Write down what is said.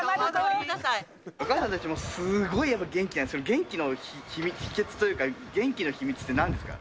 お母さんたち、すごい元気なんですけど、元気の秘けつというか元気の秘けつってなんですか？